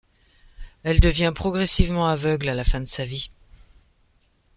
Elle devient progressivement aveugle à la fin de sa vie.